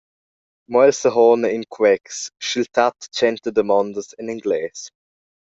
Mo el sehona in quex, sch’il tat tschenta damondas en engles.